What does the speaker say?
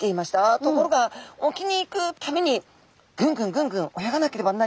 ところが沖に行くためにぐんぐんぐんぐん泳がなければなりません。